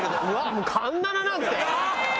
もう環七なんて！